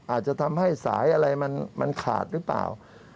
อาจจะทำให้สายอะไรมันขาดหรือเปล่า